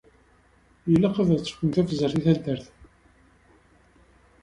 Ilaq ad tefkemt tabzert i taddart.